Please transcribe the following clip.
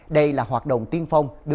đây là hoạt động tiên phong